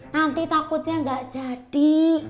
nanti takutnya ga jadi